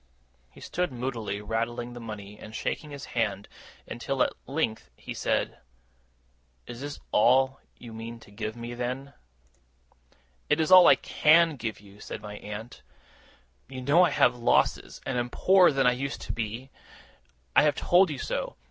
He stood moodily rattling the money, and shaking his head, until at length he said: 'Is this all you mean to give me, then?' 'It is all I CAN give you,' said my aunt. 'You know I have had losses, and am poorer than I used to be. I have told you so.